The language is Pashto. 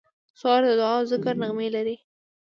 سهار د دعا او ذکر نغمې لري.